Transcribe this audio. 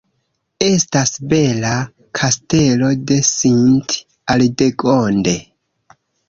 Estas bela kastelo de Sint-Aldegonde.